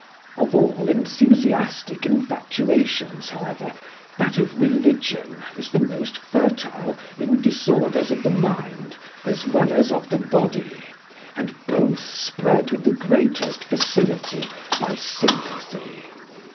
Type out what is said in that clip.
Of all enthusiastic infatuations, however, that of religion is the most fertile in disorders of the mind as well as of the body, and both spread with the greatest facility by sympathy.